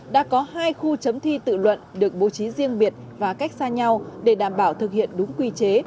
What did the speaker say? đã có hai khu chấm thi tự luận được bố trí riêng biệt và cách xa nhau để đảm bảo thực hiện đúng quy chế